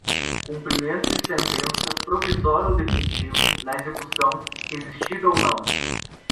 cumprimento de sentença, provisório ou definitivo, na execução, resistida ou não